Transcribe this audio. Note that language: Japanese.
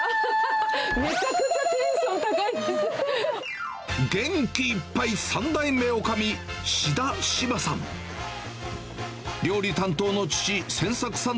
めちゃくちゃテンション高い元気いっぱい、３代目おかみ、志田志麻さん。